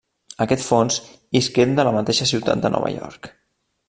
Aquest fons isqué de la mateixa ciutat de Nova York.